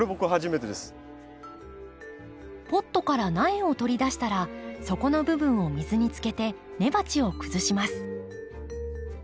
ポットから苗を取り出したら底の部分を水につけて根鉢を崩します。